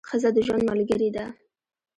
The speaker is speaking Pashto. ښځه د ژوند ملګرې ده.